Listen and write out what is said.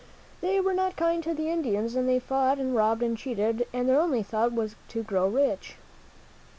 They were not kind to the Indians, and they fought and robbed and cheated, and their only thought was to grow rich.